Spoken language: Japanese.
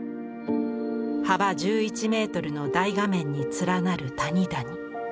幅１１メートルの大画面に連なる谷々。